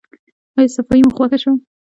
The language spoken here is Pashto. ایا صفايي مو خوښه شوه؟